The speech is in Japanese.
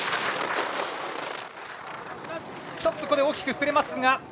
ちょっと大きく膨れましたが。